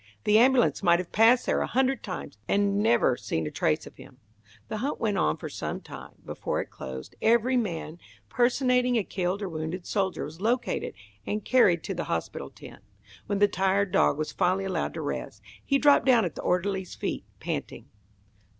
The ambulance might have passed there a hundred times and never seen a trace of him." The hunt went on for some time; before it closed, every man personating a killed or wounded soldier was located and carried to the hospital tent. When the tired dog was finally allowed to rest, he dropped down at the orderly's feet, panting.